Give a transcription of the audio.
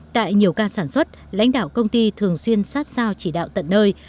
tại nhiều ca sản xuất lãnh đạo công ty thường xuyên sát sao chỉ đạo tận nơi